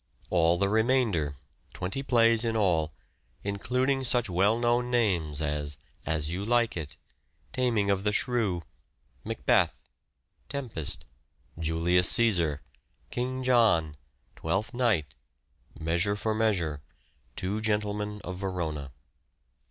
All the remainder, twenty plays in all, including such well known names as, As You Like It. Taming of the Shrew. Macbeth. Tempest. Julius Caesar. King John. Twelfth Night. Measure for Measure. Two Gentlemen of Verona.